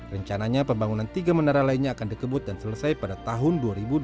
rencananya pembangunan tiga menara lainnya akan dikebut dan selesai pada tahun dua ribu dua puluh